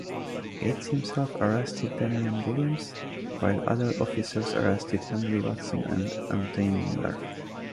Gates himself arrested Damian Williams, while other officers arrested Henry Watson and Antoine Miller.